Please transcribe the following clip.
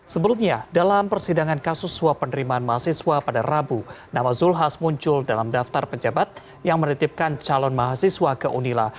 sebelumnya dalam persidangan kasus suap penerimaan mahasiswa pada rabu nama zulkifli hasan muncul dalam daftar pejabat yang menitipkan calon mahasiswa ke unila